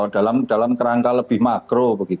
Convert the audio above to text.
dalam kerangka lebih makro